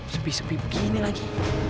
sepi sepi begini lagi